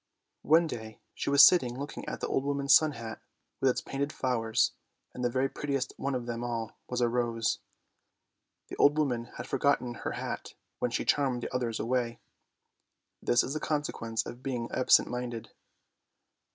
One day she was sitting looking at the old woman's sun hat with its painted flowers, and the very prettiest one of them all was a rose. The old woman had forgotten her hat when she charmed the others away. This is the consequence of being absent minded.